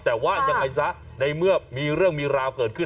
แต่ว่ายังไงซะในเมื่อมีเรื่องมีราวเกิดขึ้น